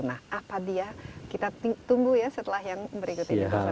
nah apa dia kita tunggu ya setelah yang berikut ini